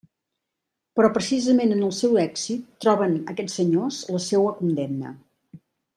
Però precisament en el seu èxit troben aquests senyors la seua condemna.